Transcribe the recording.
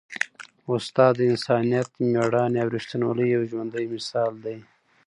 استاد د انسانیت، مېړانې او ریښتینولۍ یو ژوندی مثال دی.